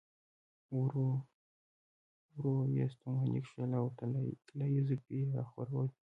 ورو ورو يې ستوماني کښله او طلايې زلفې يې راخورولې.